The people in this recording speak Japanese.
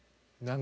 何？